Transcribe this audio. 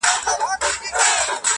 څنګ کې د فتح به د رابیا خوبونه څنګه وو